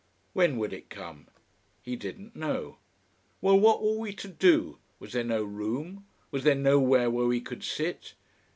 When would it come. He didn't know. Well, what were we to do? Was there no room? Was there nowhere where we could sit?